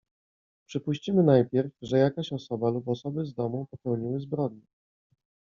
"Przypuścimy najpierw, że jakaś osoba lub osoby z domu popełniły zbrodnię."